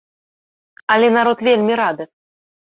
Але народ вельмі рады.